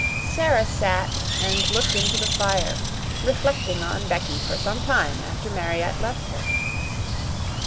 Sara sat and looked into the fire, reflecting on Becky for some time after Mariette left her.